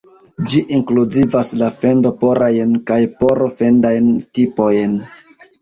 Ĝi inkluzivas la fendo-porajn kaj poro-fendajn tipojn.